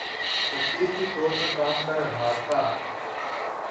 مشیر کے طور پر کام کر رہا تھا